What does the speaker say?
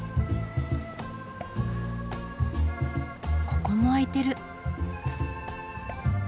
ここも開いてる。